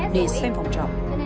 để xem phòng trọ